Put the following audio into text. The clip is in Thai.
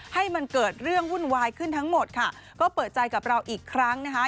ให้มันเกิดเรื่องวุ่นวายขึ้นทั้งหมดค่ะก็เปิดใจกับเราอีกครั้งนะคะ